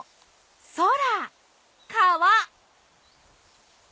そら！かわ！